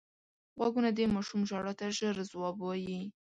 غوږونه د ماشوم ژړا ته ژر ځواب وايي